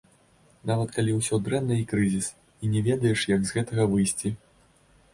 Нават калі ўсё дрэнна і крызіс, і не ведаеш, як з гэтага выйсці.